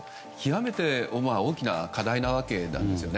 極めて大きな課題なわけです。